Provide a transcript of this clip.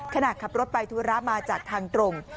ขณะขับรถไปธุระมาจากทางตรง